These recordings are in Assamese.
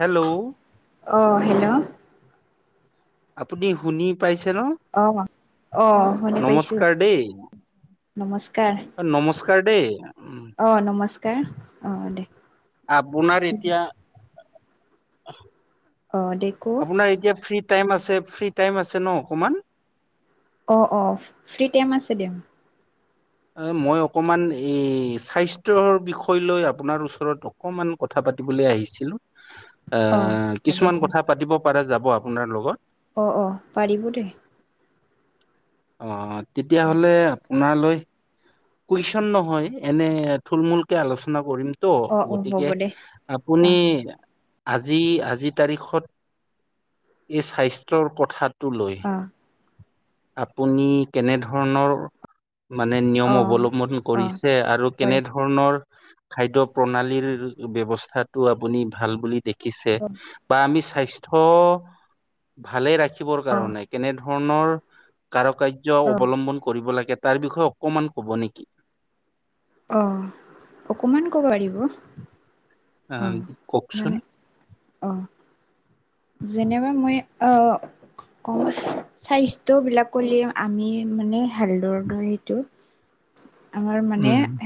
হেল্ল' অহ হেল্ল' আপুনি শুনি পাই আহ আহ শুনি পাইছো নমস্কাৰ দেই নমস্কাৰ নমস্কাৰ দেই। উম, আহ নমস্কাৰ আহ দে আপোনাৰ এতিয়া অ', দে ক আপোনাৰ এতিয়া ফ্ৰী টাইম আছে ফ্ৰী টাইম আছে ন অকমান অ অ ফ্ৰী টাইম আছে দিয়া মই অকমান এই স্বাস্থ্যৰ বিষয় লৈ আপোনাৰ ওচৰত অকমান কথা পাতিবলে আহিছিলো অ', আহ হ'ব কিছুমান দে কথা পাতিব পাৰো যাব আপোনাৰ লগত অ অ পাৰিব দেই অ তেতিয়াহলে আপোনালৈ কুৱেশন নহয় এনে থুলমূলকে আলোচনা কৰিম ত অ', অ', হ'ব গতিকে দে আপুনি অ', আজি আজিৰ তাৰিখত এই স্বাস্থ্যৰ কথাত টো লৈ, অ', আপুনি, কেনে ধৰণৰ মানে নিয়ম অ', অৱলম্বন অ', কৰিছে, আৰু কেনে হয় ধৰণৰ খাদ্য প্ৰণালীৰ ব্ৱস্থাতটো আপুনি ভাল বুলি দেখ ছি, অ', বা আমি স্বাস্থ্য, ভালে ৰাখিবৰ কাৰণে কেনে ধৰণৰ, কাৰ কাৰ্য অ', অৱলম্বন কৰিব লাগে তাৰ বিষয়ে অকণমান ক'ব নেকি? অ', অকমান ক'ব পাৰিব। আহ, অ', কওঁকচোন। মানে যেনেবা মই আহ ক স্বাস্থ্যবিলাক কলে আমি মানে হেলৰ দৰেটো আমাৰ মানে উম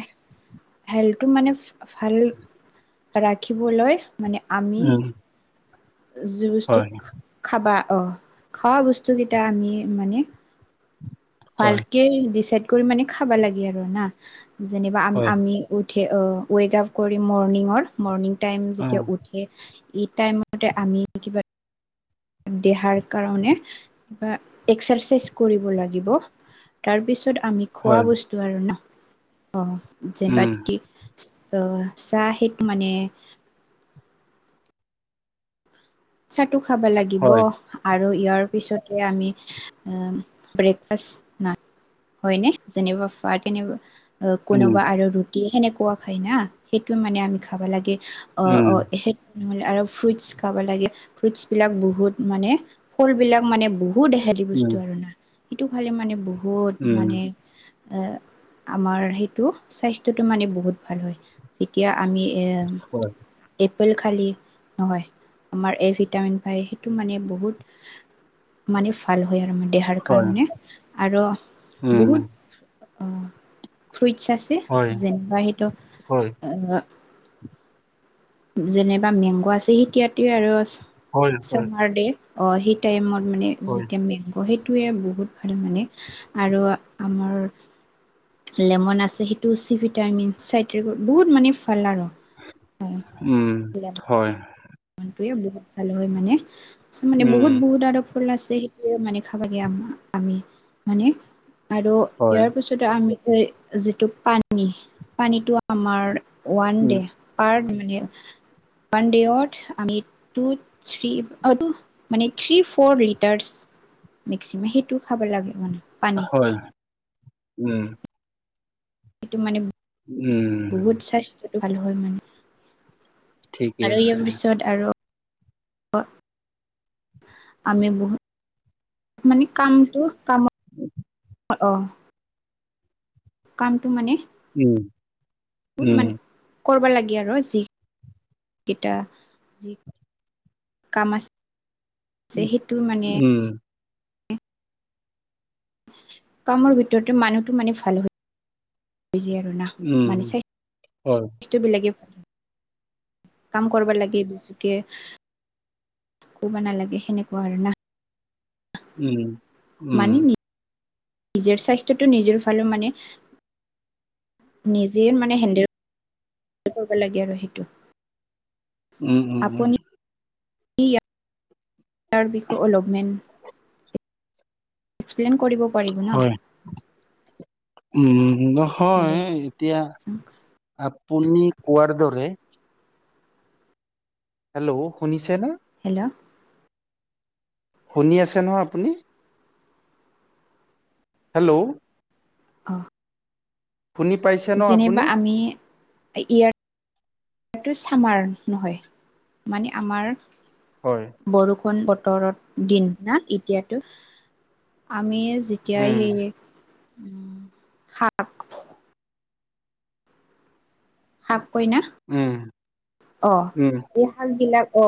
হেল্প মানে ভাল ৰাখিবলৈ মানে আমি উম যি বস্তু হয় খাবা অ খোৱা বস্তুকেইটা আমি মানে হয় ভালকে ডিচাইড কৰি মানে খাবা লাগে আৰু না যেনিবা আম হয় আমি উ উঠে ৱেক আফ কৰি মৰ্ণিঙৰ মৰ্ণিং টাইম অ যেতিয়া উঠে এই টাইমতে আমি কিবা দেহাৰ কাৰণে কিবা এক্সাৰচাইজ কৰিব লাগিব তাৰপিছত আমি খোৱা হয় বস্তু আৰু ন অ উম যেনেবাত কি চাহ সেইটো মানে চাতো খাব লাগিব হয় আৰু আৰু ইয়াৰ পিছতে আমি ব্ৰেকফাষ্ট নাই হয়নে যেনিবা ফাৰ তেনিবা অ উম কোনোবা আৰু ৰুটি সেনেকুৱা খাই না সেইটো মানে আমি খাব লাগে অ উম অ নহলে আৰু ফ্ৰুইটচ খাব লাগে ফ্ৰুটছ বিলাক বহুত মানে, ফল বিলাক মানে বহুত হেল্ডি উম বস্তু আৰু না। সেইটো খালে মানে বহুত উম মানে আমাৰ সেইটো স্বাস্থ্যটো মানে বহুত ভাল হয়, যেতিয়া আমি হয় এপেল খালে নহয়। আমাৰ এ ভিটামিন পায় সেইটো মানে বহুত, মানে ভাল হয় আৰু মানে। দেহাৰ হয় কাৰণে, আৰু উম বহুত ফ্ৰুইটছ আছে, হয় যেনিবা সেইটো হয় আ যেনিবা মেংগ আছে সেতিয়াটোৱে আৰু আছে হয় হয় চামাৰ দে, অ সেই টাইমত মানে হয়, যেতিয়া মেংগ টোৱে বহুত মানে, আৰু আমাৰ লেমন আছে, সেইটো চি ভিটামিন, চাইট্ৰিকৰ বহুত মানে ভাল আৰু উম, হয়, সেইটোৱেই বহুত ভাল হয় মানে, চ মানে উম, বহুত বহুত আৰু আছে, সেইটোয়ে মানে খাবাগে আমি মানে আৰু হয়, ইয়াৰ পিছত আমি যিটো পানী, পানীটো আমাৰ ওৱান উম, ডে, পাৰ মানে ওৱান ডে অৰ আমি টু, থ্ৰি, মানে থ্ৰী, ফ'ৰ লিটাৰছ। মেক্সিমাম সেইটোও খাব লাগে মানে। পানী হয়, উম। সেইটো মানে বহুত উম। স্বাস্থ্যটো ভাল হয় মানে, ঠিকে আৰু আছে, ইয়াৰ পিছত আৰু অ। আমি বহুত মানে কামটো কাম। [inaudible] অ। কামটো মানে। উম উম। মানে কৰিব লাগে আৰু যি কেইটা যি কাম আছে। যে সেইটো মানে। উম, কামৰ ভিতৰতে মানুহটো মানে ভাল হয়। আৰু না উম, মানে হয়, স্ববলাকে। কাম কৰিব লাগে বেছিকে। কবা নালাগে সেনেকুৱা আৰু না উম - মানে উম। নিজৰ স্বাস্থ্যটো নিজৰ ভালে মানে নিজে মানে হেণ্ডেল কৰিব লাগে আৰু সেইটো উম- উম- উম। আপুনি তাৰ বিষ অলপমেন প্লেন কৰিব পাৰিব ন। হয়, উম, নহয় দে এতিয়া। আপুনি কোৱাৰ দৰে হেল্ল', শুনিছে নে। [unintelligible] শুনি আছে নহ আপুনি? হেল্ল', অ', শুনি পাইছে ন যেনিবা আপুনি? আমি ইয়াৰয়াৰটো ছামাৰ নহয় মানে আমাৰ হয়। বৰষুণ বতৰত দিন না এতিয়াতো আমি যেতিয়া উম, সেই উম, শাক শাক কয় ন উম, অ, উম, এই শাক বিলাক অ,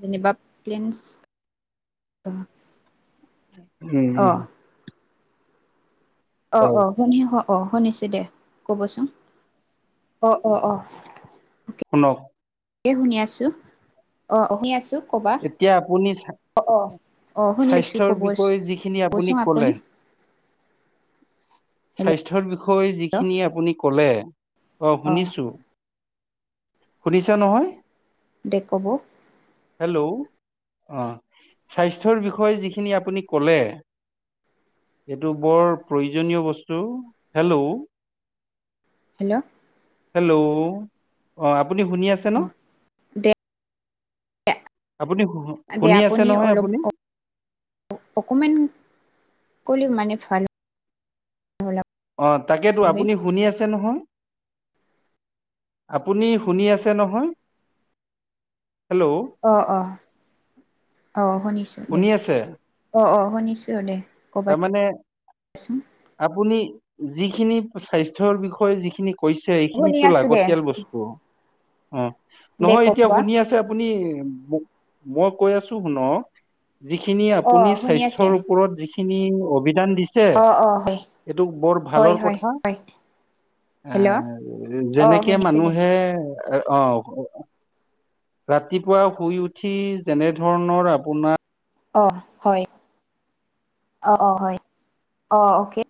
যেনেবা প্লেন্ছ উম, অ - হয়, অ শুনহ হ অ, শুনিছো দে ক'বচোন অ-অ- অ। শুনক এ শুনি আছো অ, আহি আছো। কবা এতিয়া আপুনি অ চ অ শুনি পাইছো স্বাস্থ্যৰ ক'ব বিষয়ে যিখিনি আপুনি ক'লে হেল্ল' স্বাস্থ্যৰ বিষয়ে যিখিনি আপুনি কলে অ, অ শুনিছো। শুনিছা নহয়। দেকব। হেল্ল', অ, স্বাস্থ্যৰ বিষয়ে যিখিনি আপুনি ক'লে। এইটো বৰ প্ৰয়োজনীয় বস্তু হেল্ল', হেল্ল', হেল্ল', অ, আপুনি শুনি আছে ন। অ দে আপুনি দে শুনি আছে আপুনি নহয় অলপ আপুনি অকে কলি মান ভাল হ'ল অ, তাকেতো হয় আপুনি শুনি আছে নহয়। আপুনি শুনি আছে নহয়। হেল্ল' অ - অ - অ শুনিছো দে শুনি অ - অ। শুনিছো দে। তাৰ মমানে কবাচোন আপুনি যিখিনি স্বাস্থ্যৰ বিষয়ে যিখিনি কৈছে শুনি এইখিনিতো আছো দে লাগতিয়াল বস্তু। অ, দে নহয় এতিয়া কবা শুনি আছে আপুনি মই কৈ আছো শুন যিখিনি অ আপুনি শুনি আছো স্বাস্থ্যৰ দে ওপৰত যিখিনি অভি দিছে অ অ হয় এইটো বৰ হয় ভালৰ হয় কথা। হয় এ হেল্ল' অ যেনেকে শুনিছে দে মানুহে অহ, ৰাতিপুৱা শুই উঠি যেনে ধৰণৰ আপোনাৰ অ, হয় অ - অ হয় অ, অকে।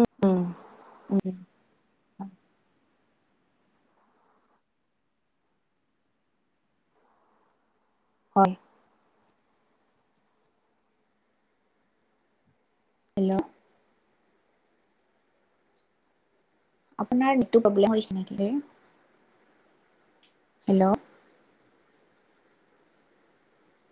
উম - উম - উম। হয়। হেল্ল'। আপোনাৰ প্ৰব্লেম হৈছে নেকি, হেল্ল'